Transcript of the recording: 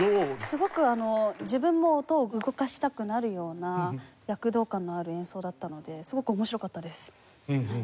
すごく自分も音を動かしたくなるような躍動感のある演奏だったのですごく面白かったです。